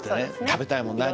「食べたいもの何？」